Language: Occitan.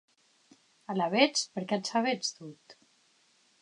Alavetz, per qué ac sabetz tot?